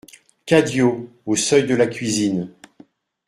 CADIO, au seuil de la cuisine.